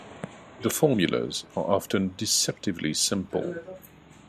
The formulas are often deceptively simple.